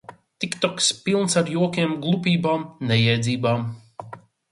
Tiktoks pilns ar jokiem, glupībām, nejēdzībām.